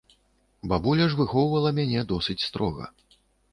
Бабуля ж выхоўвала мяне досыць строга.